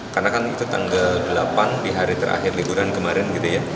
karena kan itu tanggal delapan di hari terakhir liburan kemarin gitu ya